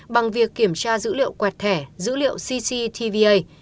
bằng việc kiểm tra dữ liệu quẹt thẻ dữ liệu cctva